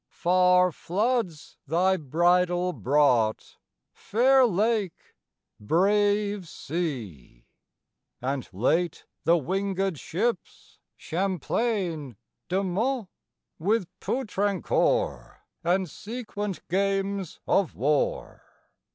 Far floods thy bridal brought, fair lake, brave sea! And late, the wingëd ships Champlain, De Monts, With Poutrincourt, and sequent games of war.